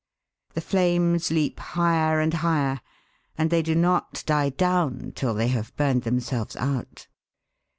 The flames leap higher and higher, and they do not die down till they have burned themselves out.